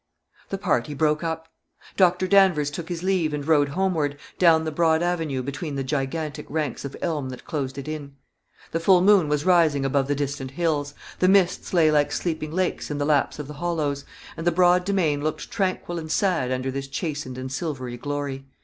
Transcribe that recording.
The party broke up. Doctor Danvers took his leave, and rode homeward, down the broad avenue, between the gigantic ranks of elm that closed it in. The full moon was rising above the distant hills; the mists lay like sleeping lakes in the laps of the hollows; and the broad demesne looked tranquil and sad under this chastened and silvery glory.